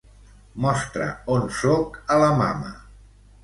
Mostra on soc a la mama.